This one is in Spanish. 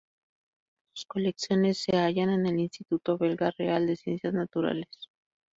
Sus colecciones se hallan en el Instituto belga Real de Ciencias Naturales.